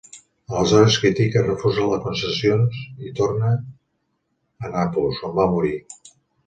Aleshores critica i refusa les concessions i torna a Nàpols, on va morir.